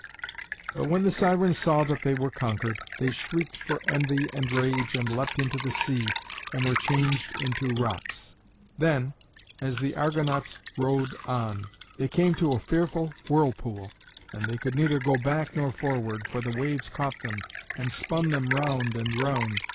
But when the Sirens saw that they were conquered, they shrieked for envy and rage and leapt into the sea, and were changed into rocks. Then, as the Argonauts rowed on, they came to a fearful whirlpool, and they could neither go back nor forward, for the waves caught them and spun them round and round.